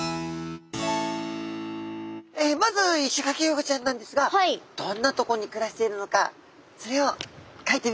まずイシガキフグちゃんなんですがどんなとこに暮らしているのかそれをかいてみたいと思います。